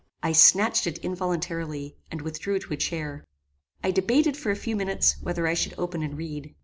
I snatched it involuntarily, and withdrew to a chair. I debated, for a few minutes, whether I should open and read.